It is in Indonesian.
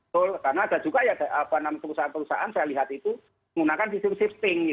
karena ada juga ya enam perusahaan perusahaan saya lihat itu menggunakan sistem shifting